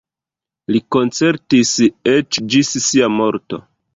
Li koncertis eĉ ĝis sia morto.